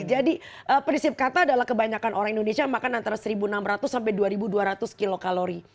jadi prinsip kata adalah kebanyakan orang indonesia makan antara seribu enam ratus sampai dua ribu dua ratus kilokalori